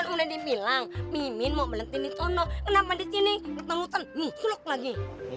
kan udah dibilang mimin mau berhenti di sana kenapa di sini ketemu selok lagi